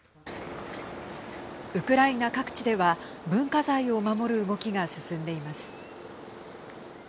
ウクライナ各地では文化財を守る動きが進んでいます。